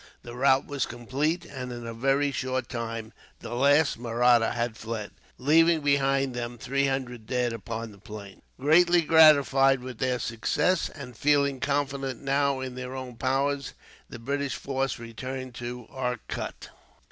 The rout was complete, and in a very short time the last Mahratta had fled, leaving behind them three hundred dead upon the plain. Greatly gratified with their success; and feeling confident, now, in their own powers, the British force returned to Arcot.